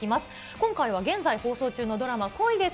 今回は現在放送中のドラマ、恋です！